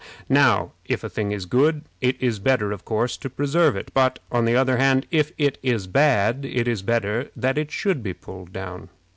Now, if a thing is good, it is better, of course, to preserve it; but, on the other hand, if it is bad, it is better that it should be pulled down.